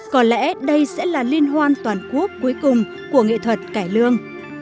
có lẽ đây sẽ là liên hoan toàn quốc cuối cùng của nghệ thuật cải lương